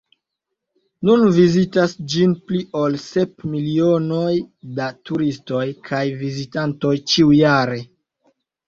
Nun vizitas ĝin pli ol sep milionoj da turistoj kaj vizitantoj ĉiujare.